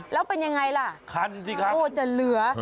แล้วเป็นยังไงล่ะก็จะเหลือ